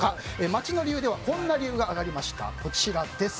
街の理由ではこんな理由がありました。